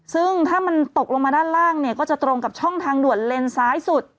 ซึ่งถ้ามันตกลงมาด้านล่างเนี่ยก็จะตรงกับช่องทางด่วนเลนซ้ายสุด